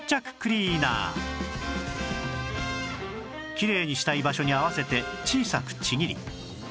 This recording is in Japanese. きれいにしたい場所に合わせて小さくちぎり